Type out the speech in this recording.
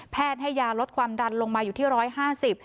แพทย์ให้ยารดความดันลงมาอยู่ที่๑๕๐